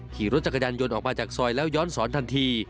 ขี่รถจักรยานยนต์ออกมาจากซอยแล้วย้อนสอนทันที